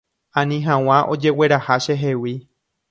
Ani hag̃ua ojegueraha chehegui.